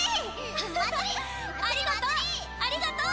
ありがとう！